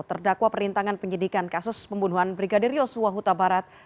terdakwa perintangan penyidikan kasus pembunuhan brigadir yosua huta barat